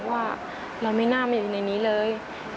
ว่าเราไม่น่ามาอยู่ในนี้เลย